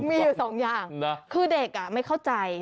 มีอยู่สองอย่างนะคือเด็กไม่เข้าใจ